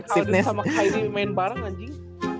si harden sama kyrie main bareng anjing